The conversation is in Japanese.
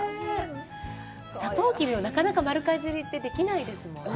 サトウキビをなかなか丸かじりはできないですよね。